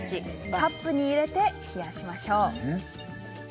カップに入れて冷やしましょう。